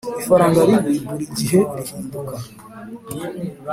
ifaranga ribi burigihe rihinduka